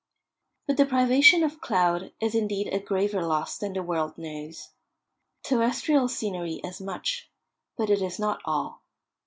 But the privation of cloud is indeed a graver loss than the world knows. Terrestrial scenery is much, but it is not all.